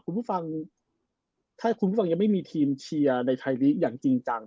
คุณผู้ฟังถ้าคุณผู้ฟังยังไม่มีทีมเชียร์ในไทยลีกอย่างจริงจัง